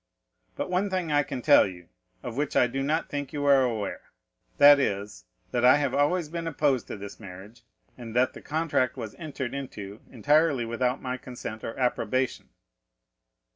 "But one thing I can tell you, of which I do not think you are aware; that is, that I have always been opposed to this marriage, and that the contract was entered into entirely without my consent or approbation."